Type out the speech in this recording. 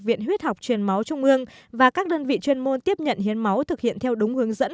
viện huyết học truyền máu trung ương và các đơn vị chuyên môn tiếp nhận hiến máu thực hiện theo đúng hướng dẫn